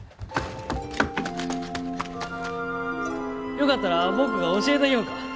よかったら僕が教えたぎょうか。